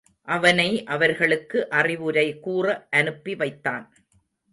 அவனை அவர்களுக்கு அறிவுரை கூற அனுப்பி வைத்தான்.